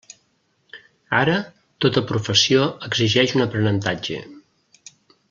Ara, tota professió exigeix un aprenentatge.